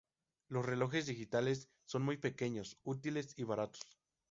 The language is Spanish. Los relojes digitales son muy pequeños, útiles y baratos.